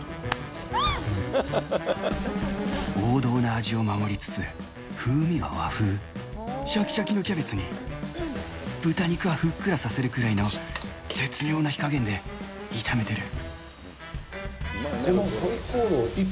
王道な味を守りつつ、風味は和風、しゃきしゃきのキャベツに、豚肉はふっくらさせるくらいの絶妙な火加減で炒めてる。